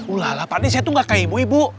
ulalah pak d saya tuh gak kaya ibu ibu